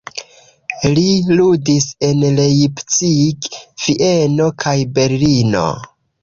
Li ludis en Leipzig, Vieno kaj Berlino.